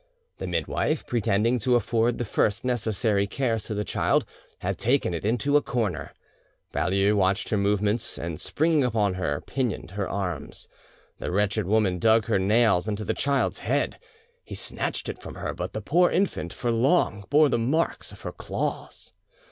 The midwife, pretending to afford the first necessary cares to the child, had taken it into a corner. Baulieu watched her movements, and springing upon her, pinioned her arms. The wretched woman dug her nails into the child's head. He snatched it from her, but the poor infant for long bore the marks of her claws.